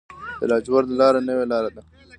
د لاجوردو لاره نوې لاره ده